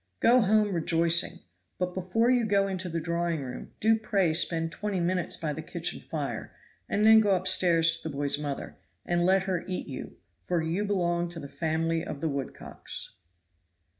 Go home rejoicing but before you go into the drawing room do pray spend twenty minutes by the kitchen fire, and then go upstairs to the boy's mother and let her eat you, for you belong to the family of the Woodcocks.